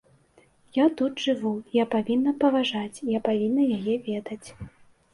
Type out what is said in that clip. Я тут жыву, я павінна паважаць, я павінна яе ведаць.